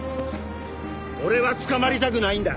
俺は捕まりたくないんだ。